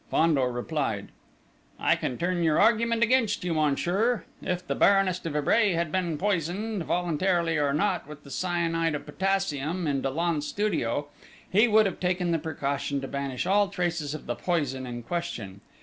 Fandor replied: "I can turn your argument against you, monsieur. If the Baroness de Vibray had been poisoned, voluntarily or not, with the cyanide of potassium in Dollon's studio, he would have taken the precaution to banish all traces of the poison in question.